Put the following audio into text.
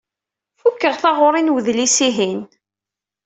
Fukeɣ taɣuri n wedlis-ihin.